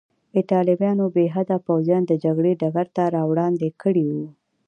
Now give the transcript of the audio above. ایټالویانو بې حده پوځیان د جګړې ډګر ته راوړاندې کړي وو.